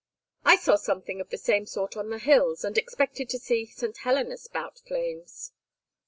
"I saw something of the same sort on the hills, and expected to see St. Helena spout flames."